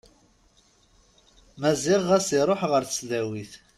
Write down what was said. Maziɣ ɣas iruḥ ɣer tesdawit.